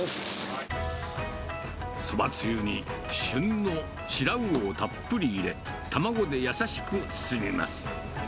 そばつゆに旬の白魚をたっぷり入れ、卵で優しく包みます。